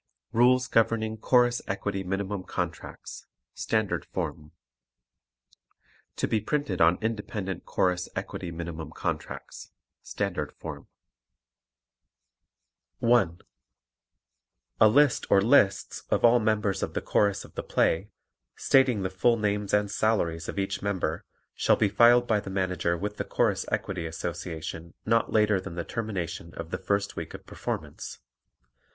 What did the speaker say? RULES GOVERNING CHORUS EQUITY MINIMUM CONTRACTS STANDARD FORM (To be printed on Chorus Equity Minimum Contracts, Standard Form) 1. A list or lists of all members of the Chorus of the play, stating the full names and salaries of each member, shall be filed by the Manager with the Chorus Equity Association not later than the termination of the first week of performance.